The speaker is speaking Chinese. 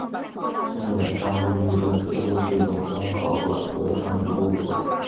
现在典藏于日本水户市的彰考馆德川博物馆。